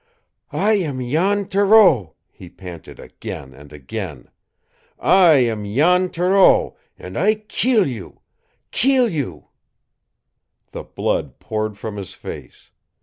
"I am Jan Thoreau," he panted again and again. "I am Jan Thoreau, an' I keel you keel you!" The blood poured from his face.